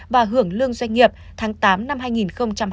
và hưởng lương doanh nghiệp tháng tám năm hai nghìn hai mươi